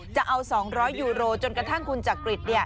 จะเอา๒๐๐ยูโรจนกระทั่งคุณจักริต